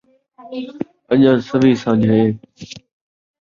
اڄاں سوّیں سنجھ ہے